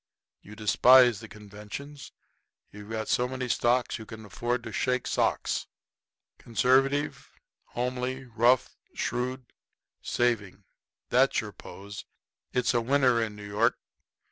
You despise the conventions. You've got so many stocks you can afford to shake socks. Conservative, homely, rough, shrewd, saving that's your pose. It's a winner in New York.